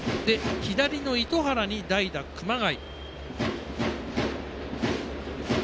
左の糸原に代打、熊谷。